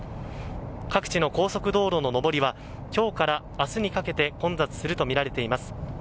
各地の高速道路の上りは今日から明日にかけて混雑するとみられています。